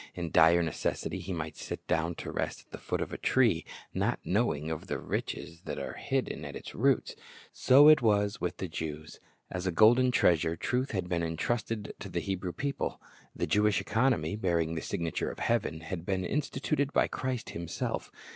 In dire necessity he might sit down to rest at the foot of a tree, not knowing of the riches hidden Hidden Treasure 1 05 at its roots. So it was with the Jews. As a golden treasure, truth had been intrusted to the Hebrew people. The Jewish economy, bearing the signature of heaven, had been instituted by Christ Himself.